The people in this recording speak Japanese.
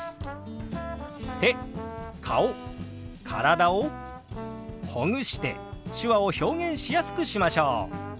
手顔体をほぐして手話を表現しやすくしましょう！